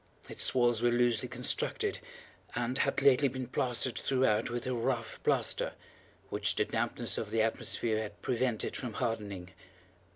Its walls were loosely constructed, and had lately been plastered throughout with a rough plaster, which the dampness of the atmosphere had prevented from hardening.